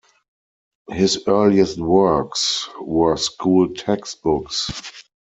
His earliest works were school textbooks.